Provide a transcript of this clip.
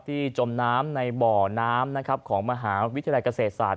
ที่จมน้ำในบ่อน้ำของมหาวิทยาลัยเกษตรศาสตร์